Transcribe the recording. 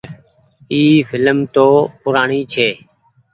اي ڦلم تو پورآڻي ڇي۔